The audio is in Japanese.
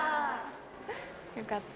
よかった。